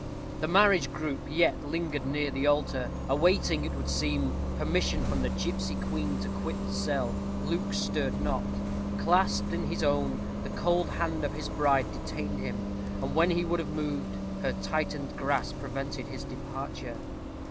The marriage group yet lingered near the altar, awaiting, it would seem, permission from the gipsy queen to quit the cell. Luke stirred not. Clasped in his own, the cold hand of his bride detained him; and when he would have moved, her tightened grasp prevented his departure. Mrs.